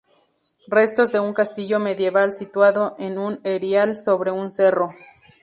Restos de un castillo medieval situado en un erial sobre un cerro.